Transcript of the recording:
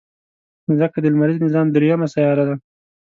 مځکه د لمریز نظام دریمه سیاره ده.